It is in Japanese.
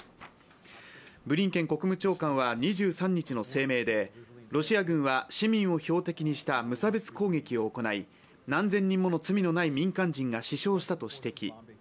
ブリンケン国務長官は２３日の声明でロシア軍は市民を標的にした無差別攻撃を行い何千人もの罪のない民間人が死傷したと指摘。